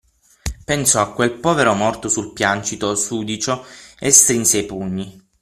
Pensò a quel povero morto sul piancito sudicio e strinse i pugni.